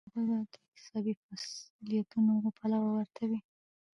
هغوی باید د اکتسابي فضیلتونو له پلوه ورته وي.